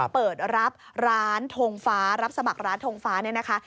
เปิดรับร้านทงฟ้ารับสมัครร้านทงฟ้าเนี่ยนะคะ